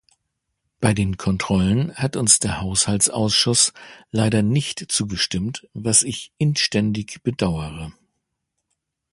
Bei den Kontrollen hat uns der Haushaltsausschuss leider nicht zugestimmt, was ich inständig bedauere.